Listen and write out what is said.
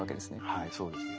はいそうですね。